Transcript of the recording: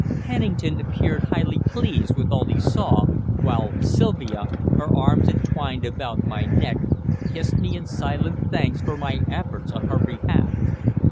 Pennington appeared highly pleased with all he saw, while Sylvia, her arms entwined about my neck, kissed me in silent thanks for my efforts on her behalf.